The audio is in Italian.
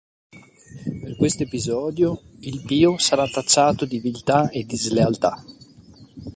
Per questo episodio il Pio sarà tacciato di viltà e di slealtà.